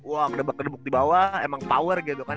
wah kenebuk kenebuk di bawah emang power gitu kan